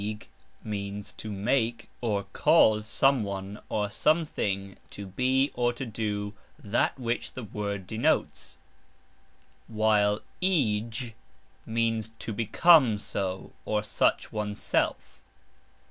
ig " means "to make" or "cause" someone or something to be or to do that which the word denotes, while " igx " means "to become" so or such oneself.